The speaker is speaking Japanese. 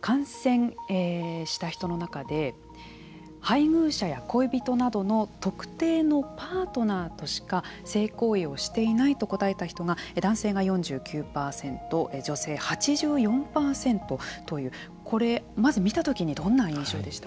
感染した人の中で配偶者や恋人などの特定のパートナーとしか性行為をしていないと答えた人が男性が４９％女性が８４％というこれ、まず見た時にどんな印象でしたか。